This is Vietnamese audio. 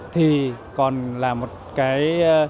thì còn là một cái